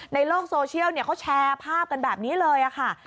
ในโลกโซเชียลเขาแชร์ภาพกันแบบนี้เลยค่ะ